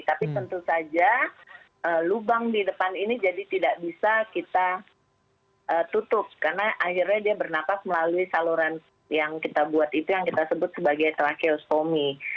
tapi tentu saja lubang di depan ini jadi tidak bisa kita tutup karena akhirnya dia bernafas melalui saluran yang kita buat itu yang kita sebut sebagai tracheoskomi